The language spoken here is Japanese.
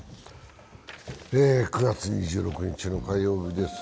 ９月２６日の火曜日です。